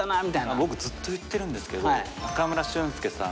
僕ずっと言ってるんですけど中村俊輔さん